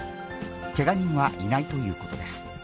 けが人はいないということです。